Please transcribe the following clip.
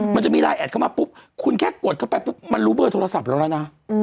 มันจะมีไลน์แอดเข้ามาปุ๊บคุณแค่กดเข้าไปปุ๊บมันรู้เบอร์โทรศัพท์เราแล้วนะ